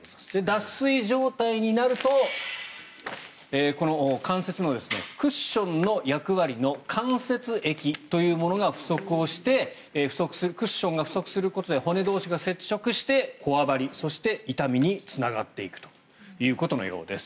脱水状態になるとこの関節のクッションの役割の関節液というものが不足をしてクッションが不足することで骨同士が接触してこわばり、そして痛みにつながっていくということのようです。